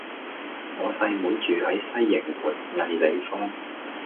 我細妹住喺西營盤藝里坊